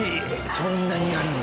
そんなにあるんだ。